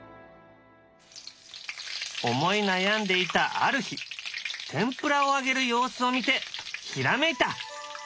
思い悩んでいたある日天ぷらを揚げる様子を見てひらめいた。